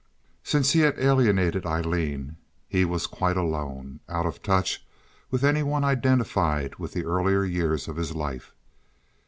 Since he had alienated Aileen he was quite alone, out of touch with any one identified with the earlier years of his life.